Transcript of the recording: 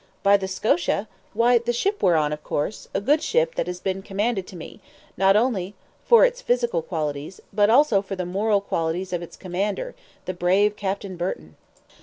"By the SCOTIA? Why, the ship we're on, of course a good ship that has been commended to me, not only for its physical qualities, but also for the moral qualities of its commander, the brave Captain Burton.